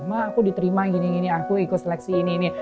ma aku diterima gini gini aku ikut seleksi ini nih